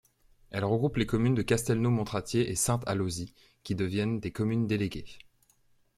Elle regroupe les communes de Castelnau-Montratier et Sainte-Alauzie, qui deviennent des communes déléguées.